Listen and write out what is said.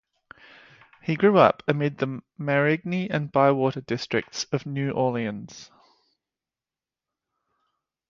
He grew up amid the Marigny and Bywater districts of New Orleans.